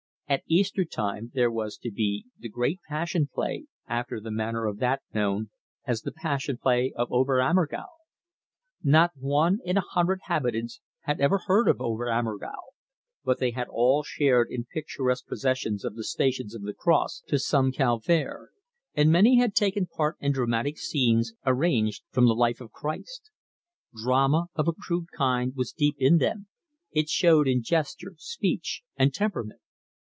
At Easter time there was to be the great Passion Play, after the manner of that known as The Passion Play of Ober Ammergau. Not one in a hundred habitants had ever heard of Ober Ammergau, but they had all shared in picturesque processions of the Stations of the Cross to some calvaire; and many had taken part in dramatic scenes arranged from the life of Christ. Drama of a crude kind was deep in them; it showed in gesture, speech, and temperament.